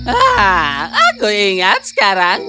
ah aku ingat sekarang